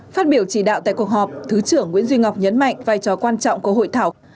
phát biểu chỉ đạo tại cuộc họp thứ trưởng nguyễn duy ngọc nhấn mạnh vai trò quan trọng của hội thảo